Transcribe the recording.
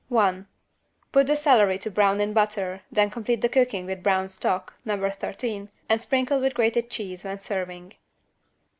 1. Put the celery to brown in butter, then complete the cooking with brown stock (No. 13) and sprinkle with grated cheese when serving.